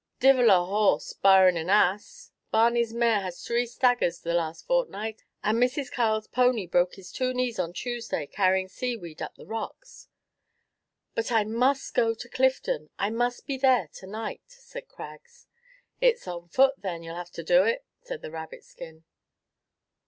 "Divil a horse, barrin' an ass. Barny's mare has the staggers the last fortnight, and Mrs. Kyle's pony broke his two knees on Tuesday carrying sea weed up the rocks." "But I must go to Clifden; I must be there to night," said Craggs. "It's on foot, then, you'll have to do it," said the Rabbitskin.